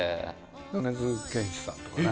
米津玄師さんとかね。